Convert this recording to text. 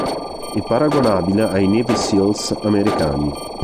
È paragonabile ai Navy seals americani.